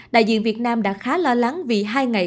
đại diện việt nam đã khá lo lắng vì hai ngày